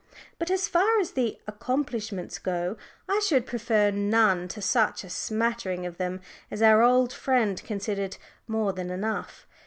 But as far as the "accomplishments" go, I should prefer none to such a smattering of them as our old friend considered more than enough.